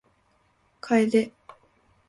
楓